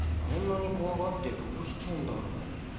あんなにこわがってどうしたんだろう？